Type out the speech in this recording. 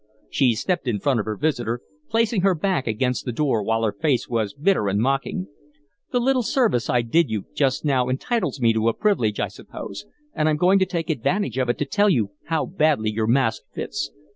She stepped in front of her visitor, placing her back against the door, while her face was bitter and mocking. "The little service I did you just now entitles me to a privilege, I suppose, and I'm going to take advantage of it to tell you how badly your mask fits.